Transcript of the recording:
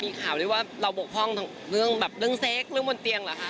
มีข่าวได้ว่าเราบอกพร่องเรื่องเซ็กเรื่องบนเตียงเหรอคะ